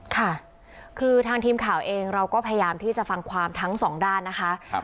ค่ะคือทางทีมข่าวเองเราก็พยายามที่จะฟังความทั้งสองด้านนะคะ